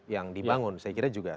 yang dibangun saya kira juga